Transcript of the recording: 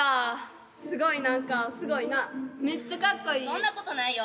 そんなことないよ。